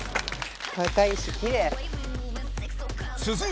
高いしきれい。